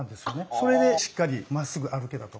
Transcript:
それでしっかりまっすぐ歩けたと。